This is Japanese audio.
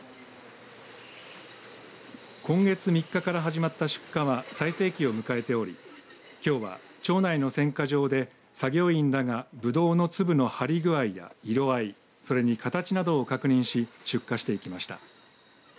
今月３日から始まった出荷は最盛期を迎えておりきょうは町内の選果場で作業員らがぶどうの粒の張り具合や色あいそれに形などを確認し出荷していきました。